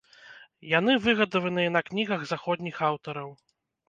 Яны выгадаваныя на кнігах заходніх аўтараў.